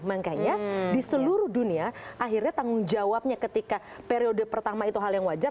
makanya di seluruh dunia akhirnya tanggung jawabnya ketika periode pertama itu hal yang wajar